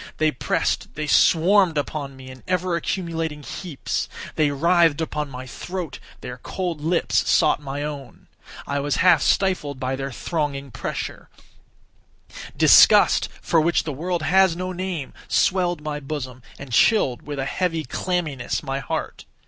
They pressed—they swarmed upon me in ever accumulating heaps. They writhed upon my throat; their cold lips sought my own; I was half stifled by their thronging pressure; disgust, for which the world has no name, swelled my bosom, and chilled, with a heavy clamminess, my heart.